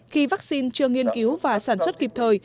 khi vaccine chưa nghiên cứu và sản xuất kịp thời